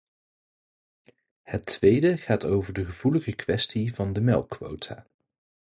Het tweede gaat over de gevoelige kwestie van de melkquota.